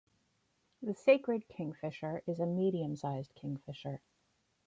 The sacred kingfisher is a medium-sized kingfisher.